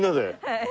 はい。